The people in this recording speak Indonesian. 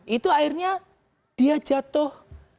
itu akhirnya dia jatuh